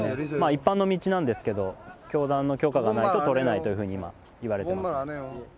一般の道なんですけど、教団の許可がないと撮れないと言われてます。